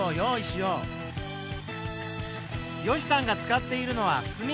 よしさんが使っているのはすみ。